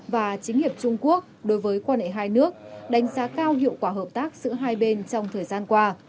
và chính hiệp trung quốc đối với quan hệ hai nước đánh giá cao hiệu quả hợp tác giữa hai bên trong thời gian qua